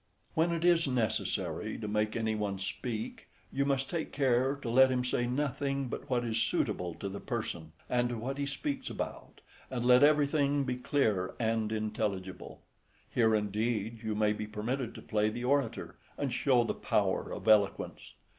When it is necessary to make any one speak, you must take care to let him say nothing but what is suitable to the person, and to what he speaks about, and let everything be clear and intelligible: here, indeed, you may be permitted to play the orator, and show the power of eloquence.